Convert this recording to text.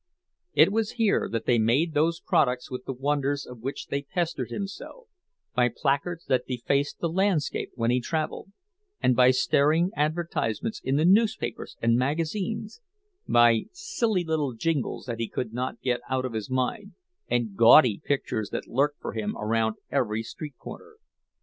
It was here that they made those products with the wonders of which they pestered him so—by placards that defaced the landscape when he traveled, and by staring advertisements in the newspapers and magazines—by silly little jingles that he could not get out of his mind, and gaudy pictures that lurked for him around every street corner.